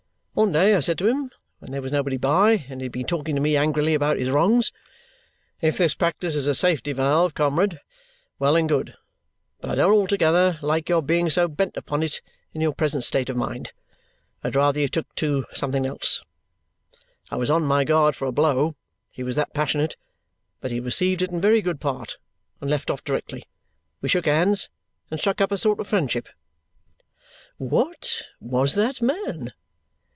One day I said to him when there was nobody by and he had been talking to me angrily about his wrongs, 'If this practice is a safety valve, comrade, well and good; but I don't altogether like your being so bent upon it in your present state of mind; I'd rather you took to something else.' I was on my guard for a blow, he was that passionate; but he received it in very good part and left off directly. We shook hands and struck up a sort of friendship." "What was that man?"